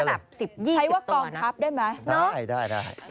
ใช้แค่แบบ๑๐๒๐ตัวนะใช้ว่ากองครับได้ไหมเนอะได้